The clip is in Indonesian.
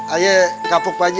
ayah kapuk pak ji